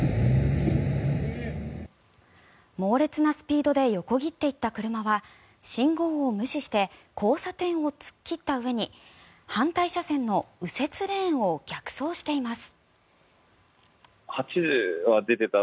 猛烈なスピードで横切っていった車は信号を無視して交差点を突っ切ったうえに反対車線の右折レーンを逆走しています。